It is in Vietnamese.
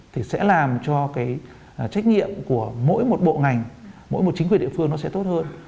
thì sẽ làm cho cái trách nhiệm của mỗi một bộ ngành mỗi một chính quyền địa phương nó sẽ tốt hơn